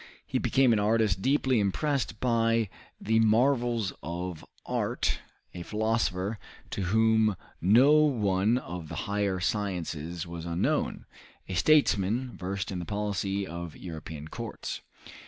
He became an artist deeply impressed by the marvels of art, a philosopher to whom no one of the higher sciences was unknown, a statesman versed in the policy of European courts.